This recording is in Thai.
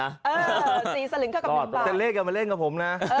เออ๔สลึงเท่ากับ๑บาทแต่เล่นกันมาเล่นกับผมนะ